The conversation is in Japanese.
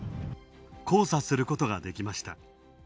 交差することができました。